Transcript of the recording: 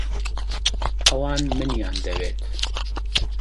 ئەوان منیان دەوێت.